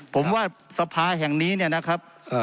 ผมว่าสภาษณ์แห่งนี้นะครับ